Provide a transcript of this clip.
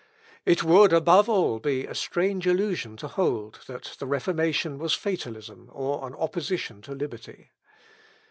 It would, above all, be a strange illusion to hold, that the Reformation was fatalism, or an opposition to liberty.